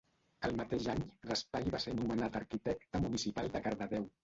El mateix any, Raspall va ser nomenat arquitecte municipal de Cardedeu.